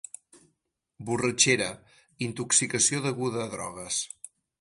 Borratxera, intoxicació deguda a drogues.